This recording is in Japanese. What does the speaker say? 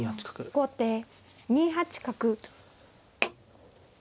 後手２八角。